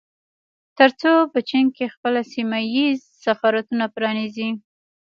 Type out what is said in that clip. ترڅو په چين کې خپل سيمه ييز سفارتونه پرانيزي